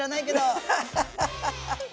ハハハハハ。